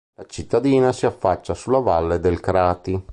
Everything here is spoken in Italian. La cittadina si affaccia sulla valle del Crati.